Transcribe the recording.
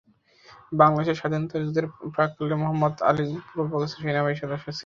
বাংলাদেশের স্বাধীনতা যুদ্ধের প্রাক্কালে মোহাম্মদ আলী পূর্ব পাকিস্তান সেনাবাহিনীর সদস্য ছিল।